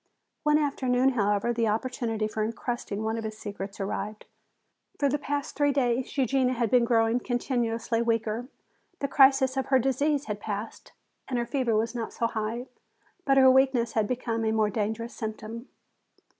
One afternoon, however, the opportunity for entrusting one of his secrets arrived. For the past three days Eugenia had been growing continuously weaker. The crisis of her disease had passed and her fever was not so high. But her weakness had become a more dangerous symptom.